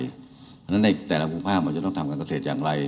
เพราะฉะนั้นในแต่ละภูมิภาคมันจะต้องทำการเกษตรอย่างไร